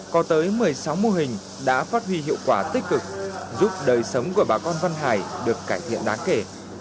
có tới một mươi sáu mô hình đã phát huy hiệu quả tích cực giúp đời sống của bà con văn hải được cải thiện đáng kể